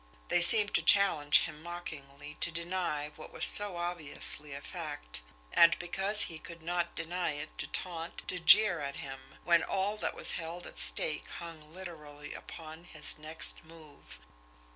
They seemed to challenge him mockingly to deny what was so obviously a fact, and because he could not deny it to taunt and jeer at him to jeer at him, when all that was held at stake hung literally upon his next move!